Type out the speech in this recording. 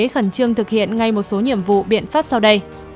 khẩn trương thực hiện ngay một số nhiệm vụ biện pháp sau đây